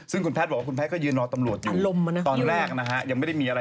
ซึ่งคุณแพทย์บอกว่าคุณแพทย์ก็ยืนรอตำรวจอยู่ตอนแรกนะฮะยังไม่ได้มีอะไร